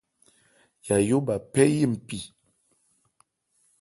Yayó bha phɛ́ yí npi.